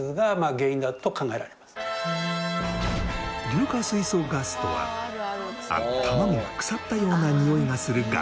硫化水素ガスとはあの卵が腐ったようなにおいがするガス。